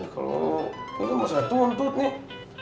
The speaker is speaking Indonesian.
kalau ini mau saya tuntut nih